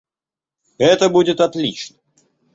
Это будет отлично.